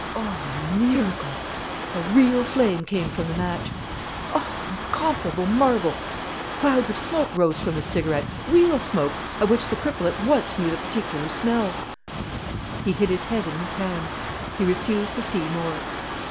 O miracle! A real flame came from the match! O incomparable marvel! Clouds of smoke rose from the cigarette, real smoke, of which the cripple at once knew the particular smell! He hid his head in his hands. He refused to see more.